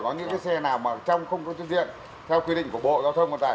có những xe nào mà trong không có chuyên diện theo quy định của bộ giao thông quân tải